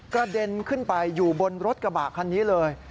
เด็นขึ้นไปอยู่บนรถกระบะคันนี้เลย